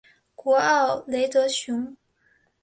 古奥德吕雄。